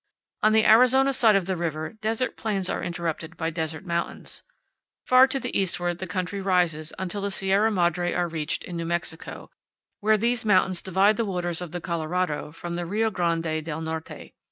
On the Arizona side of the river desert plains are interrupted by desert mountains. Far to the eastward the country rises until the Sierra Madre are reached in New Mexico, where these mountains divide the waters of the Colorado from the Rio Grande del Norte.